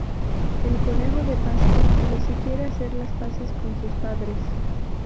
El Conejo de Pascua le sugiere hacer las paces con sus padres.